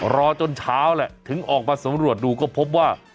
รอจนเช้าแหละถึงออกมาสำรวจดูก็พบว่า